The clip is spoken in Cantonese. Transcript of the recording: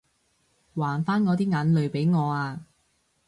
還返我啲眼淚畀我啊